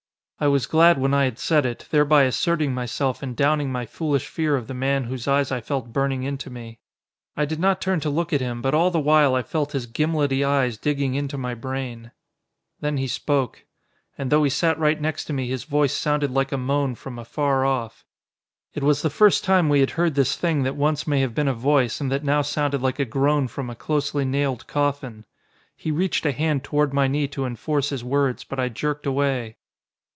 I was glad when I had said it, thereby asserting myself and downing my foolish fear of the man whose eyes I felt burning into me. I did not turn to look at him but all the while I felt his gimlety eyes digging into my brain. Then he spoke. And though he sat right next to me his voice sounded like a moan from afar off. It was the first time we had heard this thing that once may have been a voice and that now sounded like a groan from a closely nailed coffin. He reached a hand toward my knee to enforce his words, but I jerked away.